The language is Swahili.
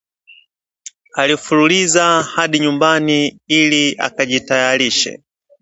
Alifululiza hadi chumbani ili ajitayarishe